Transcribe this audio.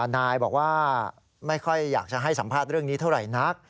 นายบอกว่าไม่ค่อยอยากจะให้สัมภาษณ์เรื่องนี้เท่าไหร่นัก